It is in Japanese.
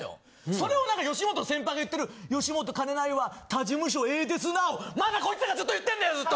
それを何か吉本の先輩が言ってる吉本金ないわ他事務所ええですなぁをまだこいつらがずっと言ってんだよずっと。